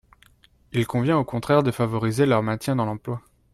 Il convient au contraire de favoriser leur maintien dans l’emploi.